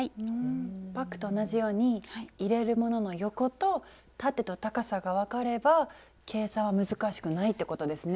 バッグと同じように入れるものの横と縦と高さが分かれば計算は難しくないってことですね。